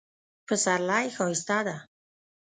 پسرلی ښایسته ده